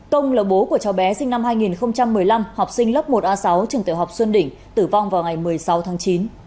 công là bố của cháu bé sinh năm hai nghìn một mươi năm học sinh lớp một a sáu trường tiểu học xuân đỉnh tử vong vào ngày một mươi sáu tháng chín